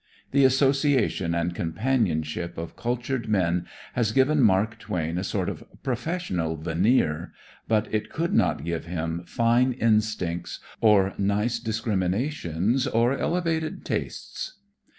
The association and companionship of cultured men has given Mark Twain a sort of professional veneer, but it could not give him fine instincts or nice discriminations or elevated tastes.